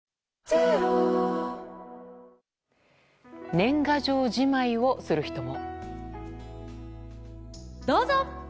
年賀状じまいをする人も。